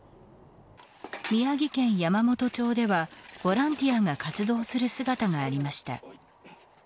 宮城県山元町ではボランティアが活動する姿がありました。